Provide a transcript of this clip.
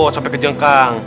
sampai ke jengkang